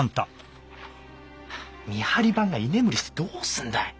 見張り番が居眠りしてどうすんだい。